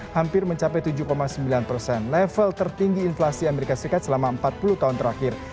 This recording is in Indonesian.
hampir mencapai tujuh sembilan persen level tertinggi inflasi amerika serikat selama empat puluh tahun terakhir